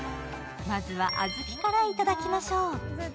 まずは小豆から頂きましょう。